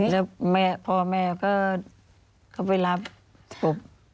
แล้วพ่อแม่ก็ไปรับสบ